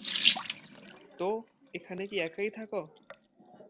তো, এখানে একাই থাকো?